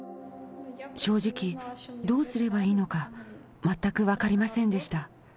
正直、どうすればいいのか全く分かりませんでした。